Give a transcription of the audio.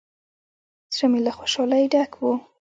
زړه مې له خوشالۍ ډک و.